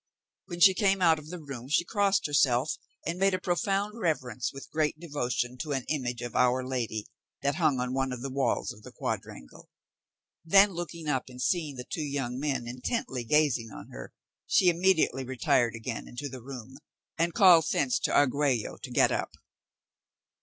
When she came out of the room she crossed herself, and made a profound reverence with great devotion to an image of our Lady, that hung on one of the walls of the quadrangle. Then looking up and seeing the two young men intently gazing on her, she immediately retired again into the room, and called thence to Argüello to get up.